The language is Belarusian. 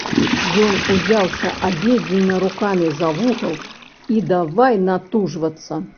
Ён узяўся абедзвюма рукамі за вугал і давай натужвацца.